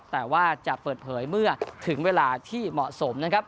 แต่ว่าจะเปิดเผยเมื่อถึงเวลาที่เหมาะสมนะครับ